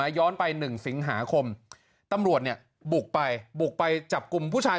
น่ะย้อนไปหนึ่งสิงหาคมตำรวจเนี่ยบุกไปบุกไปจับกลุ่มผู้ชาย